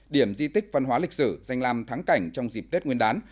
điểm di tích văn hóa lịch sử danh làm thắng cảnh trong dịp tết nguyên đán